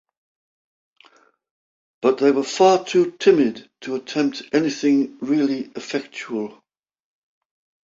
But they were far too timid to attempt anything really effectual.